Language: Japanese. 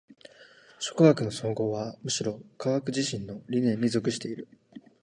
諸科学の綜合はむしろ科学自身の理念に属している。